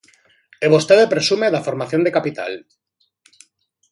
E vostede presume da formación de capital.